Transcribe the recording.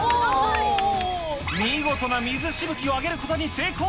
見事な水しぶきを上げることに成功。